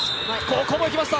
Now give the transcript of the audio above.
ここもいきました。